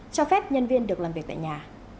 cho phép nhân viên được làm việc tại nhà